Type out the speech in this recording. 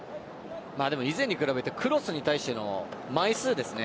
以前に比べてクロスに対しての枚数ですね。